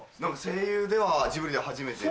声優ではジブリで初めて。